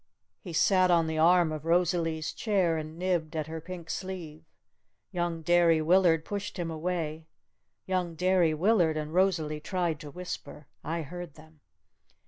He sat on the arm of Rosalee's chair and nibbed at her pink sleeve. Young Derry Willard pushed him away. Young Derry Willard and Rosalee tried to whisper. I heard them.